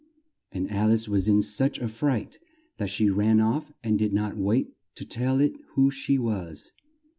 And Al ice was in such a fright that she ran off and did not wait to tell it who she was.